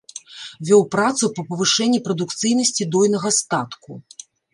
Вёў працу па павышэнні прадукцыйнасці дойнага статку.